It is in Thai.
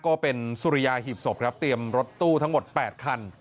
ก็เป็นสุริยาหีบศพครับเตรียมรถตู้ทั้งหมด๘คัน